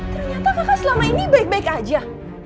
ternyata kakak selama ini baik baik aja